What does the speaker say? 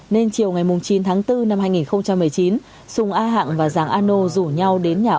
nên chiều ngày chín tháng bốn năm hai nghìn một mươi chín sùng a hạng và giàng a nô rủ nhau đến nhà